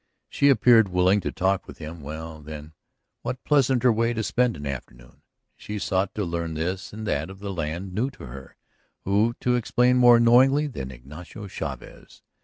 She appeared willing to talk with him; well, then, what pleasanter way to spend an afternoon? She sought to learn this and that of a land new to her; who to explain more knowingly than Ignacio Chavez?